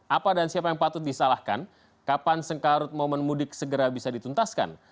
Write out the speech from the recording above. apa dan siapa yang patut disalahkan kapan sengkarut momen mudik segera bisa dituntaskan